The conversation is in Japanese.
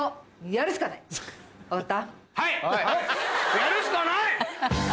やるしかない！